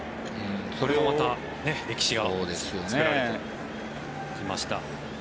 また歴史が作られてきました。